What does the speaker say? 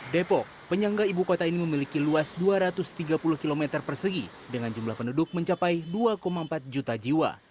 depok penyangga ibu kota ini memiliki luas dua ratus tiga puluh km persegi dengan jumlah penduduk mencapai dua empat juta jiwa